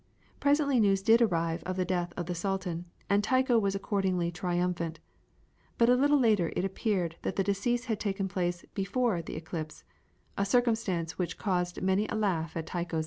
Presently news did arrive of the death of the Sultan, and Tycho was accordingly triumphant; but a little later it appeared that the decease had taken place BEFORE the eclipse, a circumstance which caused many a laugh at Tycho's expense.